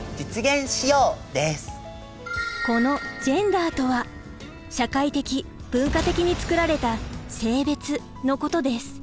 この「ジェンダー」とは社会的・文化的につくられた性別のことです。